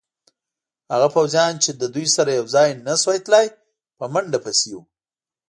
هغه پوځیان چې له دوی سره یوځای نه شوای تلای، په منډه پسې وو.